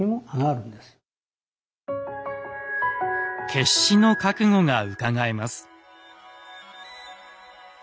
決死の覚悟がうかがえます。